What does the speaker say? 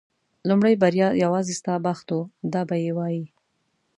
لومړۍ بریا یوازې ستا بخت و دا به یې وایي.